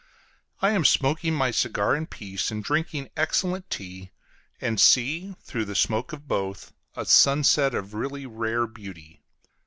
I am smoking my cigar in peace, and drinking excellent tea, and see, through the smoke of both, a sunset of really rare beauty.